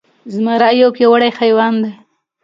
زمری يو پياوړی حيوان دی.